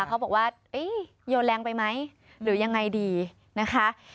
เขาบอกว่าโยนแรงไปไหมหรือยังไงดีนะคะ